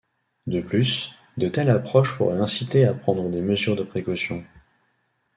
De plus, de telles approches pourraient inciter à prendre des mesures de précaution.